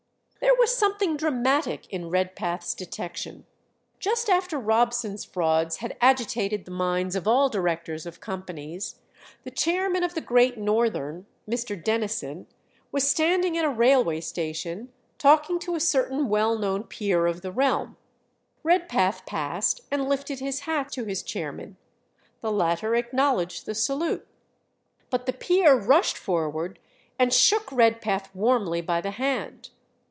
There was something dramatic in Redpath's detection. Just after Robson's frauds had agitated the minds of all directors of companies, the chairman of the Great Northern (Mr. Denison) was standing at a railway station talking to a certain well known peer of the realm. Redpath passed and lifted his hat to his chairman; the latter acknowledged the salute. But the peer rushed forward and shook Redpath warmly by the hand.